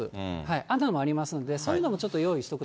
あんなのもありますので、そういうのもちょっと用意しとくと。